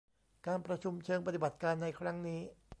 การประชุมเชิงปฏิบัติการในครั้งนี้